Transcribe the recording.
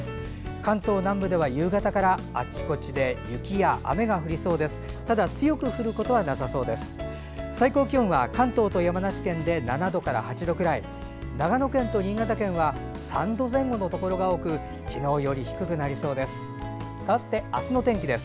関東南部では夕方からあちこちで雪や雨が降りそうです。